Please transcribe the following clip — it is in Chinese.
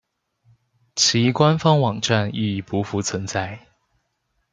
其官方网站亦不复存在。